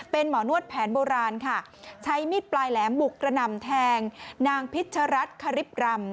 เป็นหมอนวดแผนโบราณค่ะใช้มีดปลายแหลมบุกกระหน่ำแทงนางพิชรัฐคริปรำ